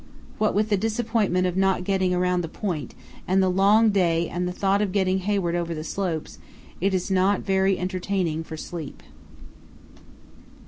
What with the disappointment of not getting round the Point, and the long day and the thought of getting Hayward over the slopes, it is not very entertaining for sleep.